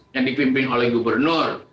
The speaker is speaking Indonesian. yang dipimpin oleh gubernur